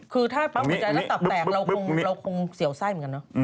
คือถ้าปั๊มหัวใจถ้าตับแตกเราคงเสี่ยวไส้เหมือนกันเนอะ